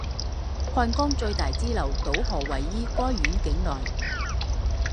汉江最大支流堵河位于该县境内。